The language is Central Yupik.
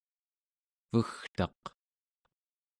vegtaq